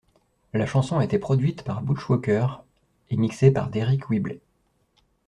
La chanson a été produite par Butch Walker et mixée par Deryck Whibley.